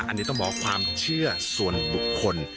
อันนี้ต้องบอกความเชื่อส่วนบุคคล